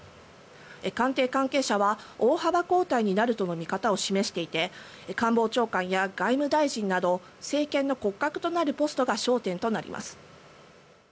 関係関係者は大幅交代になるとの見方を示していて官房長官や外務大臣など政権の骨格となるポストが焦点となります。